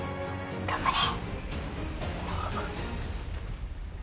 頑張れ。